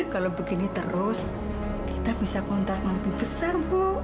kalau begini terus kita bisa kontor mampu besar bu